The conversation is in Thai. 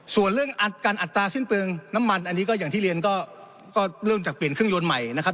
ส่วนเรื่องการอัตราสิ้นเปลืองน้ำมันอันนี้ก็อย่างที่เรียนก็เริ่มจากเปลี่ยนเครื่องยนต์ใหม่นะครับ